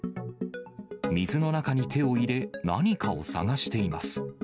水の中に手を入れ、何かを探しています。